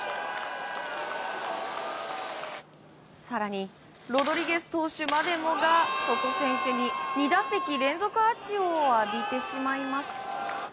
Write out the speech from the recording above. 更にロドリゲス投手までもがソト選手に２打席連続アーチを浴びてしまいます。